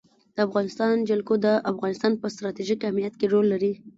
د افغانستان جلکو د افغانستان په ستراتیژیک اهمیت کې رول لري.